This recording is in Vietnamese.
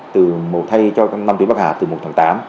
thay cho năm tuyến bắc hà từ một tháng tám